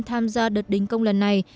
tham gia đợt đình công lần này